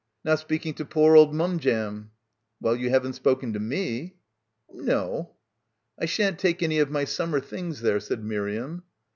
"Not speaking to poor old mum jam. 3 "Well, you haven't spoken to me." "I shan't take any of my summer things there," said Miriam. Mrs.